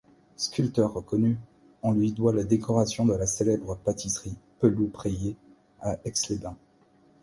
Sculpteur reconnu, on lui doit la décoration de la célèbre pâtisserie Pelloux-Prayer à Aix-les-Bains.